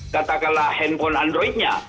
katakanlah handphone androidnya